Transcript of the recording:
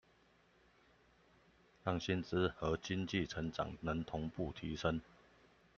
讓薪資和經濟成長能同步提升